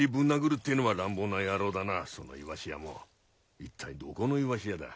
一体どこのいわし屋だ？